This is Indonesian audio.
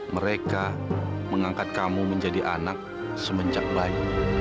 mereka mengangkat kamu menjadi anak semenjak bayi